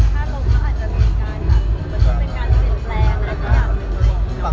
สบายไม่รู้